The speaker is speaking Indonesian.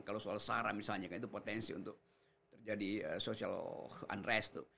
kalau soal sara misalnya kan itu potensi untuk jadi social unrest